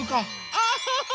アハハハ！